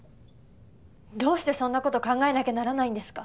どうしてそんな事考えなきゃならないんですか？